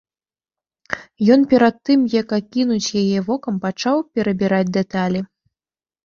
Ён перад тым, як акінуць яе вокам, пачаў перабіраць дэталі.